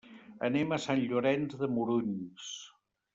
Anem a Sant Llorenç de Morunys.